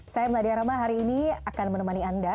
saya mladya rama hari ini akan menemani anda